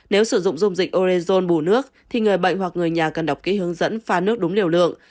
nếu sử dụng dung dịch orezon bù nước thì người bệnh hoặc người nhà cần đọc kỹ hướng dẫn pha nước đúng liều lượng